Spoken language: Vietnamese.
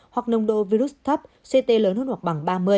hoặc nồng độ virus thấp ct lớn hơn hoặc bằng ba mươi